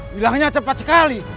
wilangnya cepat sekali